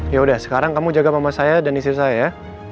yaudah sekarang kamu jaga mama saya dan istri saya ya